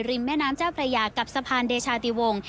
แม่น้ำเจ้าพระยากับสะพานเดชาติวงศ์